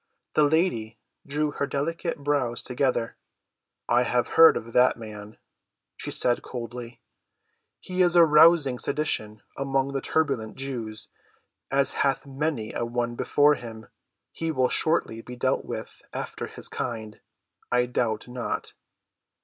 The lady drew her delicate brows together. "I have heard of the man," she said coldly. "He is arousing sedition among the turbulent Jews, as hath many a one before him. He will shortly be dealt with after his kind, I doubt not."